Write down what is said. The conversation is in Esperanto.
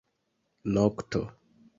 Nokto.